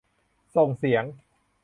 ส่งเสียง